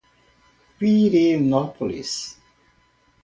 Pirenópolis